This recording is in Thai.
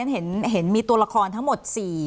เห็นมีตัวละครทั้งหมด๔